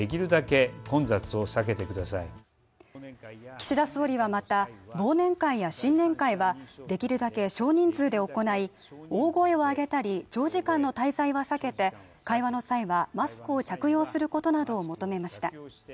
岸田総理はまた、忘年会や新年会はできるだけ少人数で行い大声を上げたり長時間の滞在は避けて、会話の際はマスクを着用することなどを求めました。